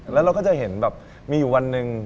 แล้วเราก็จะเห็นแบบมีอยู่วันหนึ่ง